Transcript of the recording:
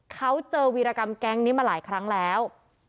เขาเจอวีรกรรมแก๊งนี้มาหลายครั้งแล้ว